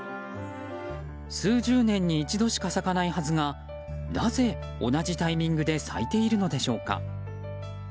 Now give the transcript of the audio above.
数十年に一度しか咲かないはずがなぜ、同じタイミングで咲いているのでしょうか。